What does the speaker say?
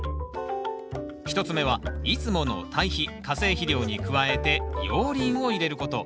１つ目はいつもの堆肥化成肥料に加えて熔リンを入れること。